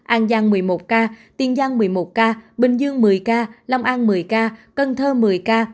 an giang một mươi một ca tiên giang một mươi một ca bình dương một mươi ca long an một mươi ca cần thơ một mươi ca